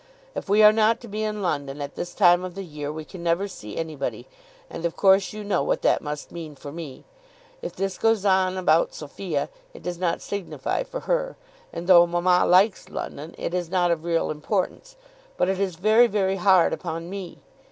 If we are not to be in London at this time of the year we can never see anybody, and of course you know what that must mean for me. If this goes on about Sophia, it does not signify for her, and, though mamma likes London, it is not of real importance. But it is very, very hard upon me.